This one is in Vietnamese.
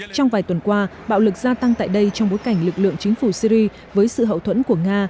trong vài tuần qua bạo lực gia tăng tại đây trong bối cảnh lực lượng chính phủ syri với sự hậu thuẫn của nga